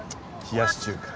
冷やし中華。